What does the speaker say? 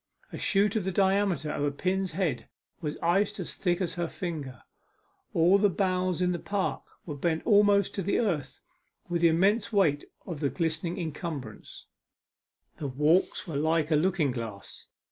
A shoot of the diameter of a pin's head was iced as thick as her finger; all the boughs in the park were bent almost to the earth with the immense weight of the glistening incumbrance; the walks were like a looking glass.